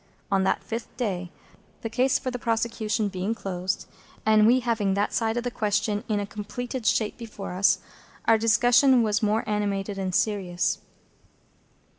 On that fifth day, the case for the prosecution being closed, and we having that side of the question in a completed shape before us, our discussion was more animated and serious.